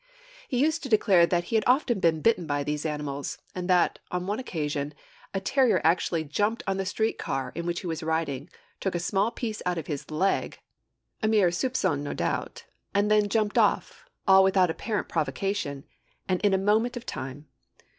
He used to declare that he had often been bitten by these animals, and that, on one occasion, a terrier actually jumped on the street car in which he was riding, took a small piece out of his leg (a mere soupçon, no doubt), and then jumped off all without apparent provocation, and in a moment of time.